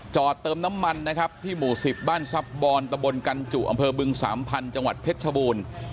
เติมน้ำมันนะครับที่หมู่๑๐บ้านทรัพย์บอนตะบนกันจุอำเภอบึงสามพันธุ์จังหวัดเพชรชบูรณ์